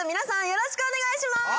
よろしくお願いします。